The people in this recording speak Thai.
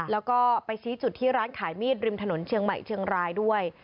แล้วก็ไปชี้จุดที่ร้านขายมีดริมถนนเชียงใหม่เชียงรายด้วย